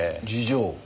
事情？